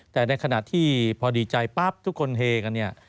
แต่ในขณะที่พอดีใจปั๊บทุกคนเฮกันเนี่ย